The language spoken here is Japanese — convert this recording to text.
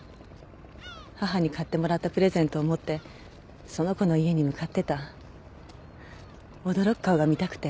母に買ってもらったプレゼントを持ってその子の家に向かってた驚く顔が見たくて・